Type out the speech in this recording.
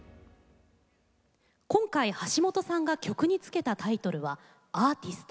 今回橋本さんが曲に付けたタイトルは「アーティスト」。